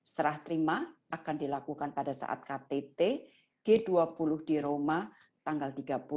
setelah terima akan dilakukan pada saat ktt g dua puluh di roma tanggal tiga puluh tiga puluh satu dua ribu dua puluh satu